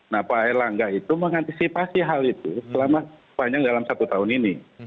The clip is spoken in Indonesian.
nah pak erlangga itu mengantisipasi hal itu selama panjang dalam satu tahun ini